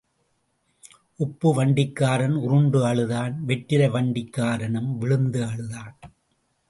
உப்பு வண்டிக்காரன் உருண்டு அழுதான் வெற்றிலை வண்டிக்காரனும் விழுந்து அழுதான்.